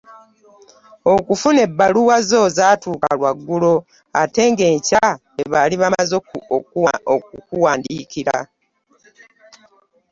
Okufuna ebbaluwa zo zaatuuka lwaggulo, ate nga enkya lwe baali bamaze okukuwandiikira.